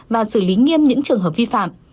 và xử lý nghiêm những trường hợp vi phạm